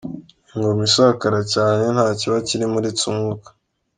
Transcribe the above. Ingoma isakara cyane ntakiba cyirimo, uretse umwuka.